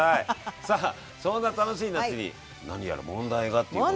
さあそんな楽しい夏に何やら問題がっていうことで。